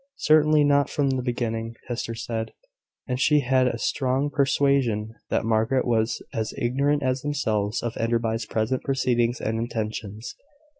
Certainly not from the beginning, Hester said; and she had a strong persuasion that Margaret was as ignorant as themselves of Enderby's present proceedings and intentions.